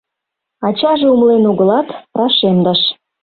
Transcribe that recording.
Ачаже умылен огылат, рашемдыш.